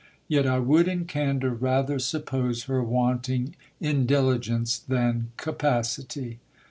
Yet I would in candour rather suppose her wanting in diligence than capacity.